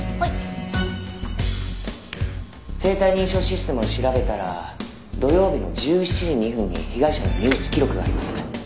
「生体認証システムを調べたら土曜日の１７時２分に被害者の入室記録があります」